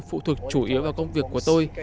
phụ thuộc chủ yếu vào công việc của tôi